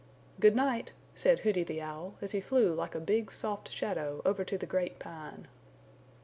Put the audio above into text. "Good night," said Hooty the Owl, as he flew like a big soft shadow over to the Great Pine.